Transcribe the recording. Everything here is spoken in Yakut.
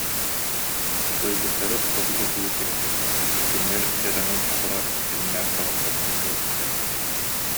Кыайбыттары хоту диэки үүрбүттэр, кинилэр дьадаҥы сахалар дьиҥнээх доҕотторунан буолбуттар